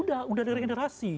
sudah ada generasi